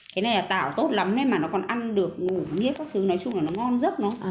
cái này là tạo tốt lắm nên mà nó còn ăn được ngủ miếp các thứ nói chung là nó ngon rất nó